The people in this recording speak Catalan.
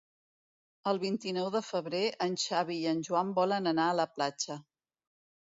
El vint-i-nou de febrer en Xavi i en Joan volen anar a la platja.